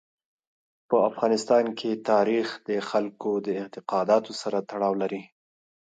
په افغانستان کې تاریخ د خلکو د اعتقاداتو سره تړاو لري.